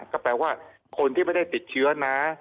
ก็แปลว่าคนที่ไม่ได้ติดเชื้อนะ